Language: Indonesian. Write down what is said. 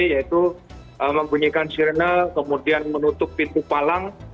yaitu membunyikan sirene kemudian menutup pintu palang